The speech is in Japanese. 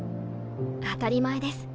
当たり前です。